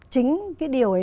chính cái điều ấy